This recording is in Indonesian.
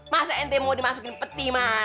masa ente mau dimasukin peti maaf ya